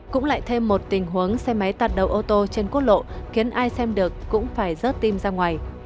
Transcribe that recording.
cũng lại thêm một tình huống xe máy tạt đầu ô tô trên quốc lộ khiến ai xem được cũng phải rớt tim ra ngoài